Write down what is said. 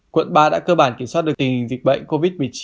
quận ba đã cơ bản kiểm soát được tình hình dịch bệnh covid một mươi chín